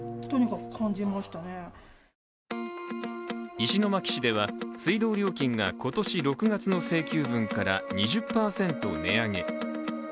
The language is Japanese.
石巻市では水道料金が今年６月の請求分から２０％値上げ。